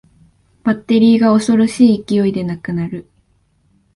バッテリーが恐ろしい勢いでなくなる